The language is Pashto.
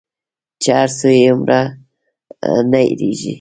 چي هر څو یې هېرومه نه هیریږي